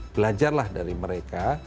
belajarlah dari mereka